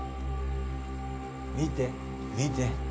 見て見て。